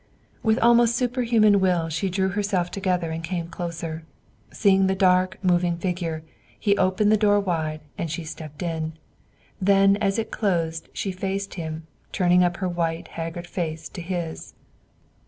With almost superhuman will she drew herself together and came closer. Seeing the dark, moving figure, he opened the door wide, and she stepped in; then as it closed she faced him, turning up her white, haggard face to his.